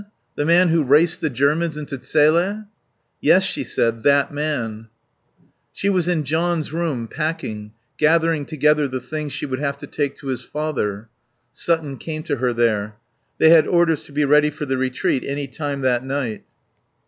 The man who raced the Germans into Zele?" "Yes," she said, "that man." She was in John's room, packing, gathering together the things she would have to take to his father. Sutton came to her there. They had orders to be ready for the retreat any time that night.